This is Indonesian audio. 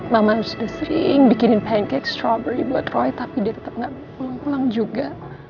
mama sudah sering bikinin pancake strovery buat roy tapi dia tetap nggak pulang pulang juga